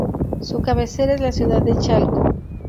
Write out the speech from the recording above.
Su cabecera es la ciudad de Chalco.